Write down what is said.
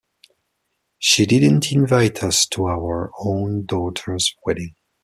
She didn't invite us to our own daughter's wedding.